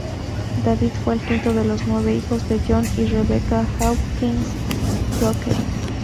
David fue el quinto de los nueve hijos de John y Rebecca Hawkins Crockett.